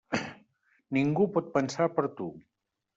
Ningú pot pensar per tu.